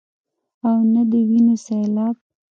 او نۀ د وينو سيلاب ،